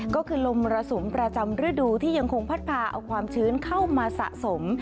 ก็คือลมมรสุมประจำฤดูที่ยังคงพัดพาเอาความชื้นเข้ามาสะสม